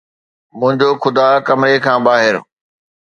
منهنجو خدا ڪمري کان ٻاهر